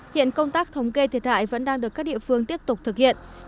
hiện công tác thống kê thiệt hại vẫn đang được các địa phương tiếp tục thực hiện